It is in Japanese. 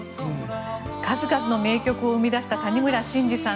数々の名曲を生み出した谷村新司さん